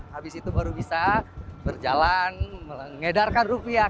habis itu baru bisa berjalan mengedarkan rupiah